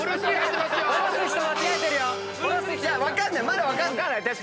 まだ分かんない！